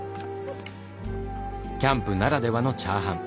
キャンプならではのチャーハン。